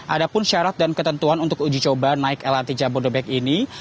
ada pun syarat dan ketentuan untuk uji coba naik lrt jabodebek ini